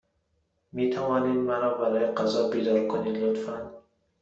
می توانید مرا برای غذا بیدار کنید، لطفا؟